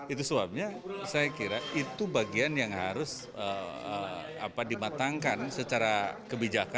itu sebabnya saya kira itu bagian yang harus dimatangkan secara kebijakan